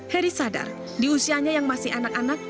heri sadar di usianya yang masih anak anak